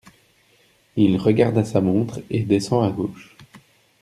Il regarde à sa montre et descend à gauche.